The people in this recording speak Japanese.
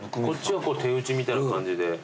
こっちは手打ちみたいな感じで。